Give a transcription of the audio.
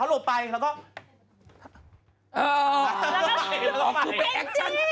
อ๋อแล้วก็ไปไปแท็กชั่น